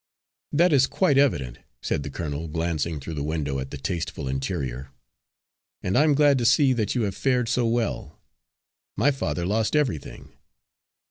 "That is quite evident," said the colonel, glancing through the window at the tasteful interior, "and I am glad to see that you have fared so well. My father lost everything."